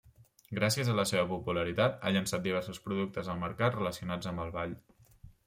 Gràcies a la seva popularitat ha llançat diversos productes al mercat relacionats amb el ball.